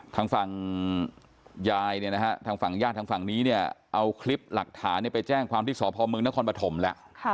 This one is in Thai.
ทางฝั่งยายทางฝั่งญาติทางฝั่งนี้เอาคลิปหลักฐานไปแจ้งความที่สอบพอมมืองนครปฐมแล้ว